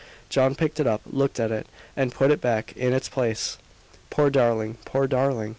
John picked it up, looked at it, and put it back in its place. "Poor darling! poor darling!"